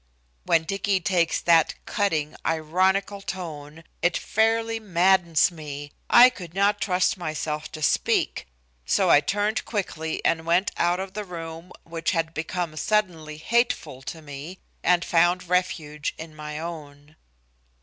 When Dicky takes that cutting, ironical tone, it fairly maddens me. I could not trust myself to speak, so I turned quickly and went out of the room which had become suddenly hateful to me, and found refuge in my own.